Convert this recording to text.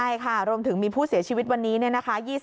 ใช่ค่ะรวมถึงมีผู้เสียชีวิตวันนี้เนี่ยนะคะ